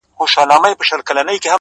يو دی چي يې ستا په نوم آغاز دی!!